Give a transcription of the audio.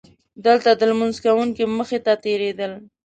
دلته د لمونځ کوونکي مخې ته تېرېدل.